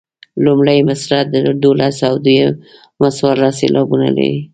لومړۍ مصرع دولس او دویمه څوارلس سېلابونه لري.